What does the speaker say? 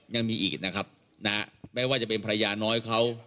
ยังมีอีกนะครับแม้ว่าจะเป็นพยานน้อยเขา